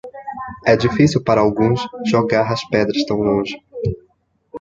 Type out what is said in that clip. É difícil para alguns jogar as pedras tão longe.